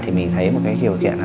thì mình thấy một cái kiểu kiện là